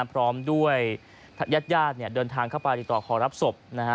พร้อมด้วยญาติญาติเดินทางเข้าไปติดต่อขอรับศพ